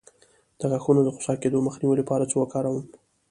د غاښونو د خوسا کیدو مخنیوي لپاره څه وکاروم؟